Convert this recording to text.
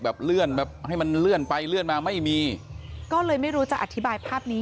เลื่อนแบบให้มันเลื่อนไปเลื่อนมาไม่มีก็เลยไม่รู้จะอธิบายภาพนี้